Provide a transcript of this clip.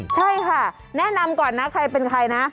ใช่ค่ะแนะนำก่อนนะใครเป็นใครนะ